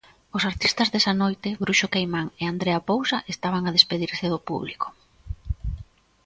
Os artistas desa noite, Bruxo Queimán e Andrea Pousa estaban a despedirse do público.